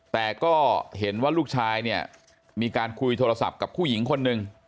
แต่ก็เห็นว่าลูกชายเนี่ยมีการคุยโทรศัพท์กับผู้หญิงคนหนึ่ง